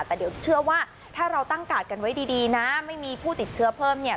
แต่เดี๋ยวเชื่อว่าถ้าเราตั้งกาดกันไว้ดีนะไม่มีผู้ติดเชื้อเพิ่มเนี่ย